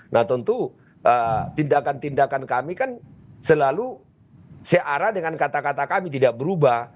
nah tentu tindakan tindakan kami kan selalu searah dengan kata kata kami tidak berubah